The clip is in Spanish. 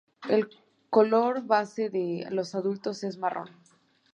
El color base de los adultos es marrón.